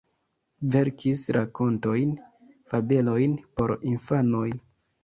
Verkis rakontojn, fabelojn por infanoj.